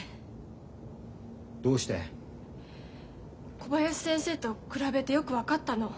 小林先生と比べてよく分かったの。